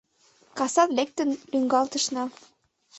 Касат лектын лӱҥгалтышна.